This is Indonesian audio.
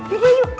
yuk yuk yuk